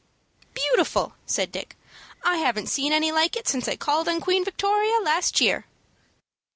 "Beautiful," said Dick. "I haven't seen any like it since I called on Queen Victoria last year."